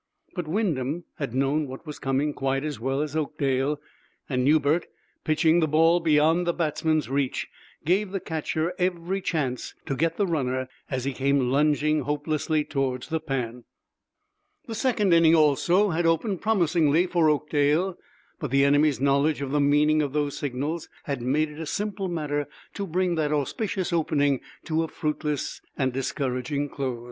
But Wyndham had known what was coming quite as well as Oakdale, and Newbert, pitching the ball beyond the batsman's reach, gave the catcher every chance to get the runner as he came lunging hopelessly toward the pan. The second inning, also, had opened promisingly for Oakdale, but the enemy's knowledge of the meaning of those signals had made it a simple matter to bring that auspicious opening to a fruitless and discouraging close.